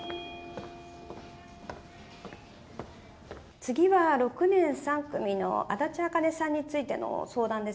次は６年３組の足立茜さんについての相談ですが。